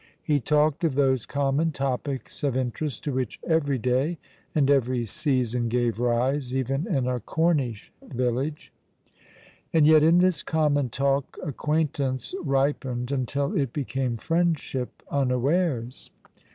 He talked of those common topics of interest to which every day and every season give rise, even in a Cornish village ; and yet in this common talk acquaintance ripened until it became friendship unawares.